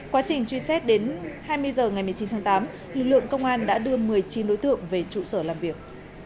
quá trình truy xét đến hai mươi h ngày một mươi chín tháng tám lực lượng công an đã đưa một mươi chín đối tượng về trụ sở làm việc